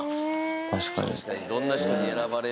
確かに。